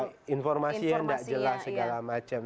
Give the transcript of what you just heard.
tapi informasi yang tidak jelas segala macam